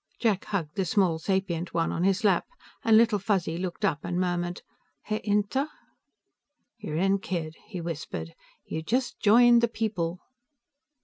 Jack hugged the small sapient one on his lap, and Little Fuzzy looked up and murmured, "He inta?" "You're in, kid," he whispered. "You just joined the people."